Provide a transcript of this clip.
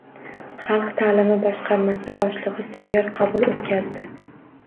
Xalq ta’limi boshqarmasi boshlig‘i sayyor qabul o‘tkazdi